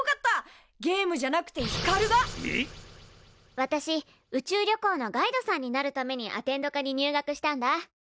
私宇宙旅行のガイドさんになるためにアテンド科に入学したんだ。